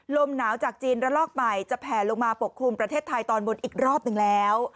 ลมหนาวจากจีนระลอกใหม่จะแผลลงมาปกคลุมประเทศไทยตอนบนอีกรอบหนึ่งแล้ว